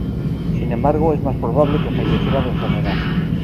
Sin embargo, es más probable que falleciera de enfermedad.